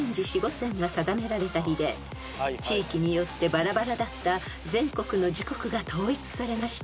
［地域によってバラバラだった全国の時刻が統一されました］